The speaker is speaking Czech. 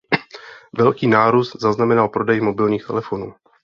Velký nárůst zaznamenal prodej mobilních telefonů.